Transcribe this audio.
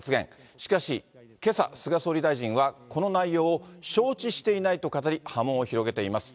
しかしけさ、菅総理大臣はこの内容を承知していないと語り、波紋を広げています。